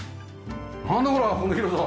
なんだこの広さ！